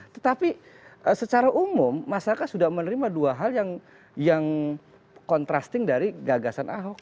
tetapi secara umum masyarakat sudah menerima dua hal yang kontrasting dari gagasan ahok